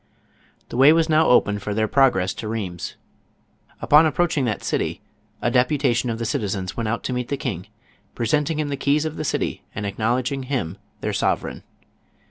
The way was now open for their progress to Rheims. Upon approaching that city, a deputation of the citi zens went out to meet the king, presenting him the keys of the city and acknowledging him their sov ereign.